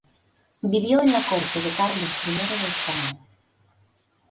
Vivió en la corte de Carlos I de España.